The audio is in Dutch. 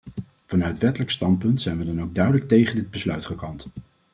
Vanuit wettelijk standpunt zijn wij dan ook duidelijk tegen dit besluit gekant.